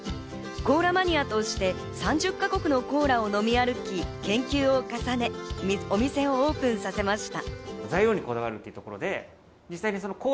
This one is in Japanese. コーラマニアとして３０か国のコーラを飲み歩き、研究を重ね、お店をオープンさせました。